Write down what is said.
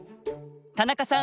田中さん